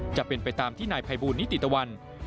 จะเป็นไปตามที่นายภัยบูลนิติตะวัน